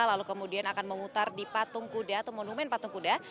lalu kemudian akan memutar di patung kuda atau monumen patung kuda